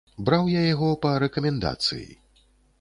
Браў я яго па рэкамендацыі.